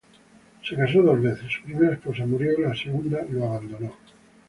Se casó dos veces, su primera esposa murió y la segunda lo abandonó.